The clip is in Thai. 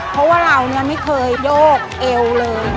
เพราะว่าเราไม่เคยโยกเอวเลย